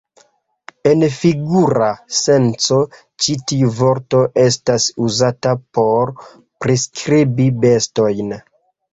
En figura senco ĉi tiu vorto estas uzata por priskribi bestojn.